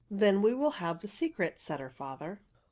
Then we will have the secret," said her father.